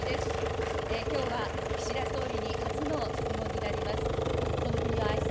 きょうは岸田総理に初の質問になります。